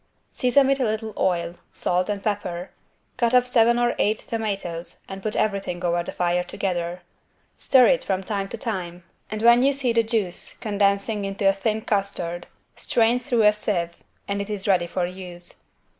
Season with a little oil, salt and pepper, cut up seven or eight tomatoes and put everything over the fire together. Stir it from time to time and when you see the juice condensing into a thin custard strain through a sieve, and it is ready for use.